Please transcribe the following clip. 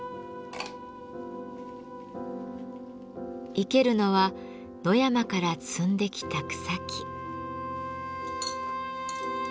生けるのは野山から摘んできた草木。